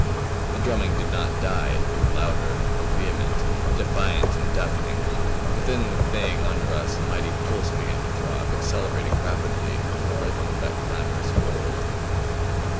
The drumming did not die; it grew louder, more vehement; defiant and deafening. Within the Thing under us a mighty pulse began to throb, accelerating rapidly to the rhythm of that clamorous roll.